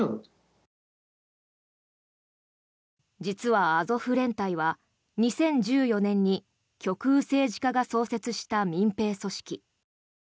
実はアゾフ連隊は２０１４年に極右政治家が創設した民兵組織。